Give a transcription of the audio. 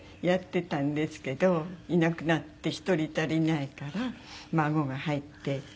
やってたんですけどいなくなって１人足りないから孫が入って。